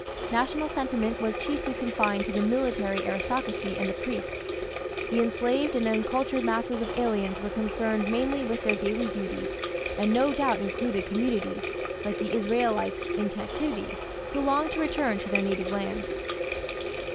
National sentiment was chiefly confined to the military aristocracy and the priests; the enslaved and uncultured masses of aliens were concerned mainly with their daily duties, and no doubt included communities, like the Israelites in captivity, who longed to return to their native lands.